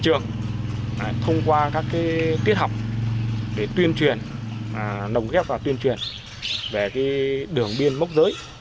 trường thông qua các tiết học để tuyên truyền nồng ghép vào tuyên truyền về đường biên mốc giới